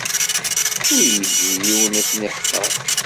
Ur iǧǧi yiwen ad ten-iḥqer.